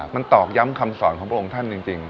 มันตอกย้ำคำสอนของพระองค์ท่านจริง